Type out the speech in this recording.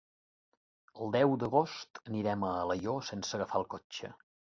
El deu d'agost anirem a Alaior sense agafar el cotxe.